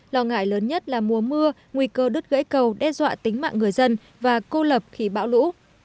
lo ngại lớn nhất là mùa mưa nguy cơ đứt gãy cầu đe dọa tính mạng người dân và cô lập khi bão lũ